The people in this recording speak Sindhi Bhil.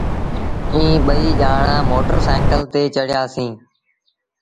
ائيٚݩ ٻئيٚ ڄآڻآن موٽر سآئيٚڪل تي چڙهيآ سيٚݩ۔